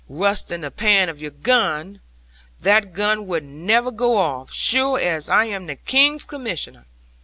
Rust in the pan of your gun! That gun would never go off, sure as I am the King's Commissioner.